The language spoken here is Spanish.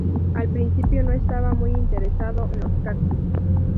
Al principio no estaba muy interesado en los cactus.